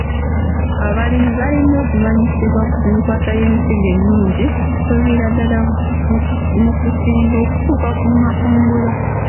Abalimi balina okumanyisibwa ku nkwata y'ensigo ennungi okuviira ddala mu kusimba okutuuka ku makungula.